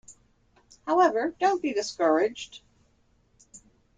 However, don’t be discouraged.